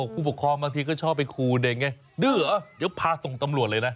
ผู้ปกครองบางทีก็ชอบไปขู่เด็กไงดื้อเหรอเดี๋ยวพาส่งตำรวจเลยนะ